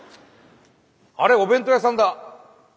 あれお弁当屋さんだ。